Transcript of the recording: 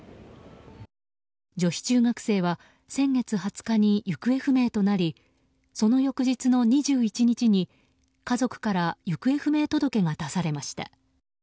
女子中学生は先月２０日に行方不明となりその翌日の２１日に、家族から行方不明届が出されました。